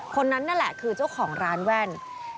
คนนั้นนั่นแหละคือเจ้าของร้านแว่น